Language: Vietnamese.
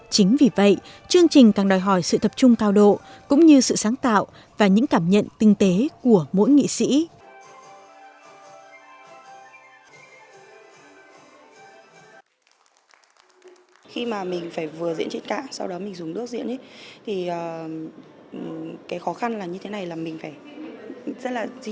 chính vì vậy chương trình càng đòi hỏi sự tập trung cao độ cũng như sự sáng tạo và những cảm nhận tinh tế của mỗi nghệ sĩ